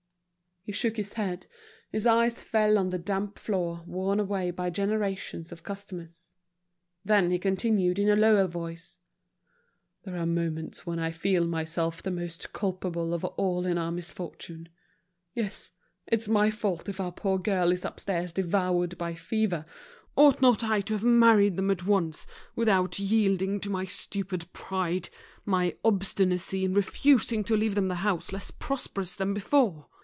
He shook his head, his eyes fell on the damp floor worn away by generations of customers. Then he continued in a lower voice, "There are moments when I feel myself the most culpable of all in our misfortune. Yes, it's my fault if our poor girl is upstairs devoured by fever. Ought not I to have married them at once, without yielding to my stupid pride, my obstinacy in refusing to leave them the house less prosperous than before?